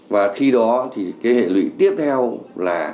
và khi đó thì cái hệ lụy tiếp theo là